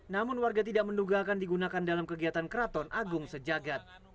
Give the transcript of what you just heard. namun warga tidak menduga akan digunakan dalam kegiatan keraton agung sejagat